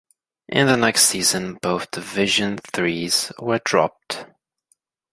In the next season both Division Threes were dropped.